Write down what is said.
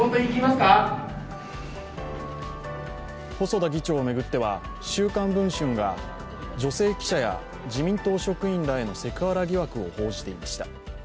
細田議長を巡っては、「週刊文春」が女性記者や自民党職員へのセクハラ疑惑を報じていました。